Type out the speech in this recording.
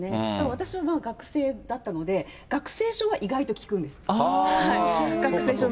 私は学生だったので、学生証は意外と利くんです。